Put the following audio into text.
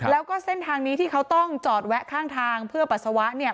แล้วก็เส้นทางนี้ที่เขาต้องจอดแวะข้างทางเพื่อปัสสาวะเนี่ย